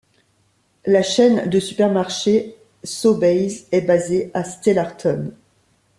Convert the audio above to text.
La chaîne de supermarchés Sobeys est basée à Stellarton.